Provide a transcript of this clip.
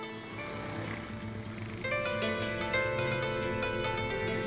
usaha surat panjang wajah serta pekerjaan amerika serikat negara heroku kah round the world dan pakistan